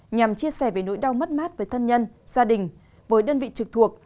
nhằm chia sẻ về nỗi đau mất mát với thân nhân gia đình với đơn vị trực thuộc